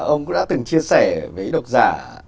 ông cũng đã từng chia sẻ với độc giả